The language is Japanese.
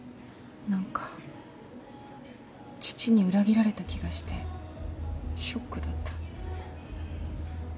何か父に裏切られた気がしてショックだった。